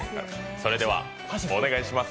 それではお願いします。